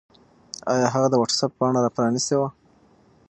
آیا هغه د وټس-اپ پاڼه پرانستې وه؟